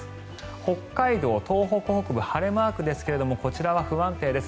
北海道、東北晴れマークですがこちらは不安定です。